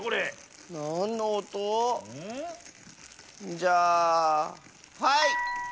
じゃあはい！